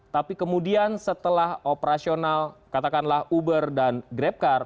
tapi kemudian setelah operasional katakanlah uber dan grabcar